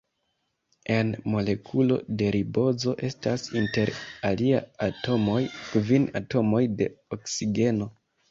En molekulo de ribozo estas, inter aliaj atomoj, kvin atomoj de oksigeno.